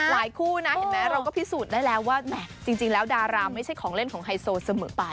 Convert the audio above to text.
คู่นะเห็นไหมเราก็พิสูจน์ได้แล้วว่าแหมจริงแล้วดาราไม่ใช่ของเล่นของไฮโซเสมอไป